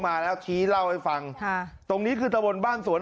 มาแล้วชี้เล่าให้ฟังค่ะตรงนี้คือตะบนบ้านสวน